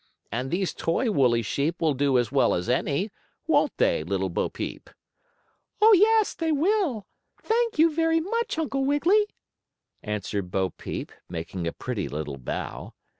And these toy woolly sheep will do as well as any; won't they, Little Bo Peep?" "Oh, yes, they will; thank you very much, Uncle Wiggily," answered Bo Peep, making a pretty little bow.